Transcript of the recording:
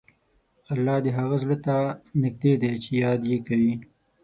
الله د هغه زړه ته نږدې دی چې یاد یې کوي.